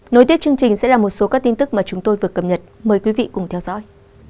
nối tiếp chương trình sẽ là một số các tin tức mà chúng tôi vừa cập nhật mời quý vị cùng theo dõi